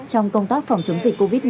công tác phòng chống dịch covid một mươi chín